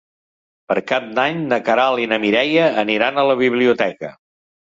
Per Cap d'Any na Queralt i na Mireia aniran a la biblioteca.